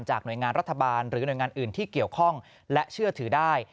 หน่วยงานรัฐบาลหรือหน่วยงานอื่นที่เกี่ยวข้องและเชื่อถือได้